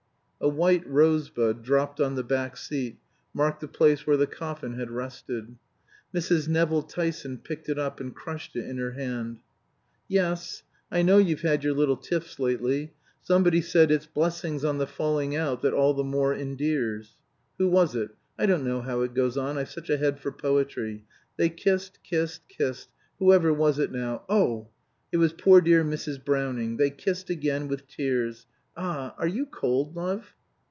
A white rosebud, dropped on the back seat, marked the place where the coffin had rested. Mrs. Nevill Tyson picked it up and crushed it in her hand. "Yes. I know you've had your little tiffs lately. Somebody said, 'It's blessings on the falling out that all the more endears.' Who was it? I don't know how it goes on; I've such a head for poetry. They kissed kissed kissed. Whoever was it now? Oh! It was poor dear Mrs. Browning. They kissed again with tears. Ah! Are you cold, love?"